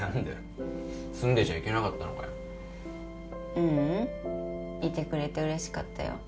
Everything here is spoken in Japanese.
ううんいてくれてうれしかったよ。